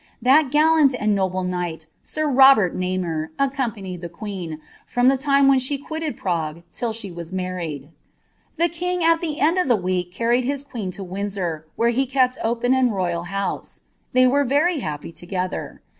That gallant and noble knight, Robert Namur, accompanied the queen, from llie lime when she tted Fragile, till she was married. Tlie king at the end of the week ried bia queen to Windsor, where he kept open and royal house. ey were very happy together.